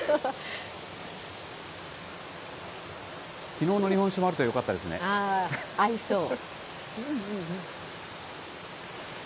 きのうの日本酒もあるとよか合いそう。